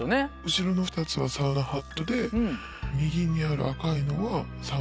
後ろの２つはサウナハットで右にある赤いのは。